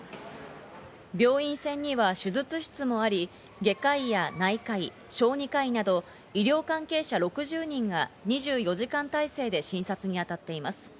病院船には、手術室もあり、外科医や内科医、小児科医院など医療関係者６０人が２４時間態勢で診察に当たっています。